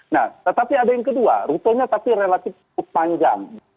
nah tetapi ada yang kedua rutenya tapi relatif cukup panjang